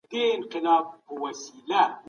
شاګرد له مبتدي څخه فکري ټریډر ته بدلېږي.